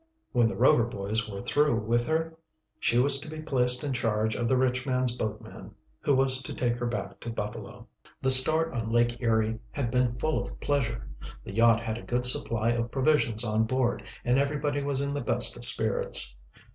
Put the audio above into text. When the Rover boys were through with her she was to be placed in charge of the rich man's boatman, who was to take her back to Buffalo. The start on Lake Erie had been full of pleasure. The yacht had a good supply of provisions on board, and everybody was in the best of spirits.